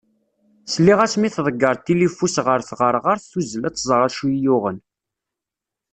Sliɣ-as mi tḍegger tilifu-s ɣef tɣerɣert tuzzel-d ad tẓer acu yi-yuɣen.